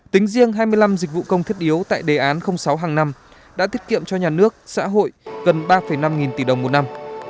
tính riêng hai mươi năm dịch vụ công thiết yếu tại đề án sáu hàng năm đã thiết kiệm cho nhà nước xã hội gần ba năm nghìn tỷ đồng một năm